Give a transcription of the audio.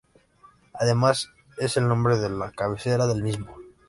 Además, es el nombre de la cabecera del mismo.